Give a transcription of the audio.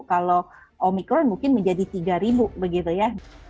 kalau omikron mungkin menjadi tiga ribu begitu ya